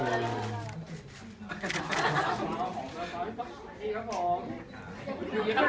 ขอสายตาซ้ายสุดด้วยครับ